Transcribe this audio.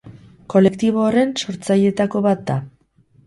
Kolektibo horren sortzaileetako bat da.